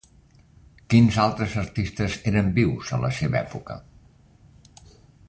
Quins altres artistes eren vius a la seva època?